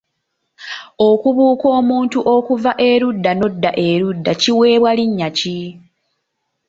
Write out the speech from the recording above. Okubuuka omuntu okuva erudda n’odda erudda kiweebwa linnya ki?